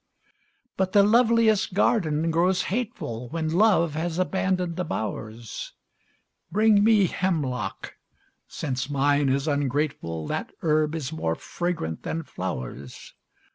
But the loveliest garden grows hateful When love has abandoned the bowers; Bring me hemlock since mine is ungrateful, That herb is more fragrant than flowers.